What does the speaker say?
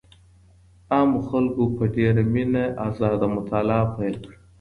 عامو خلګو په ډېره مينه ازاده مطالعه پيل کړه.